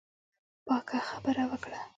پاکه خبره وکړه.